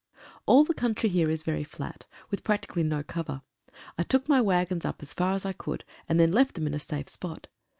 All the country here is very flat, with practically no cover. I took my waggons up as far as I could, and then left them in a safe spot.